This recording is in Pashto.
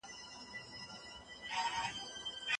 پانګونه تر سپما ډېره ګټوره ده.